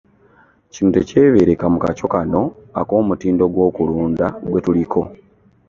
Kino tekyebereka mu kakyo kano ak’omutindo gw’okulunda gwe tuliko.